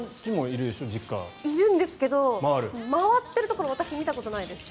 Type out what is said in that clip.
いるんですけど回っているところ私は見たことないです。